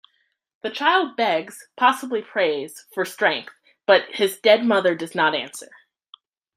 The child begs, possibly prays, for strength, but his dead mother does not answer.